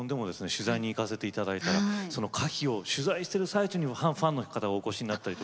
取材に行かせて頂いたらその歌碑を取材してる最中にもファンの方がお越しになったりとか